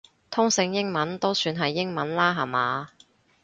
通勝英文都算係英文啦下嘛